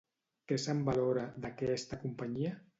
Què se'n valora, d'aquesta companyia?